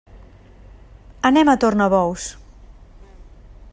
Anem a Tornabous.